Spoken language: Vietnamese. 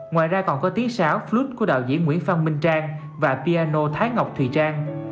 ngoài ra còn có tiếng sáo flood của đạo diễn nguyễn phan minh trang và piano thái ngọc thùy trang